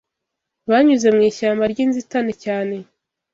Banyuze mu ishyamba ryinzitane cyane